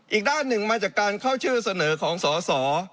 อีกด้านหนึ่งมาจากการเข้าชื่อเสนอของสอสอ